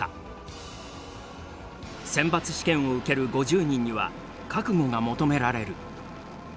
選抜試験を受ける５０人には覚悟が求められる。